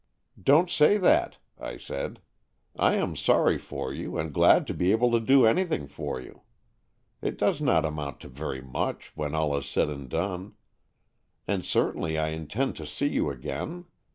" Don't say that," I said. " I am sorry for you and glad to be able to do anything for you. It does not amount to very much, when all is said and done. And certainly I intend to see you again.